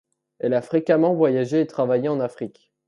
Elle a fréquemment voyagé et travaillé en Afrique.